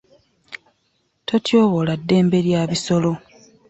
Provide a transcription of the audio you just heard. Totyoboola ddembe lya bisolo